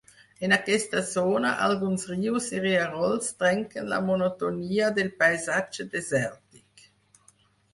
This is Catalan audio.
En aquesta zona, alguns rius i rierols trenquen la monotonia del paisatge desèrtic.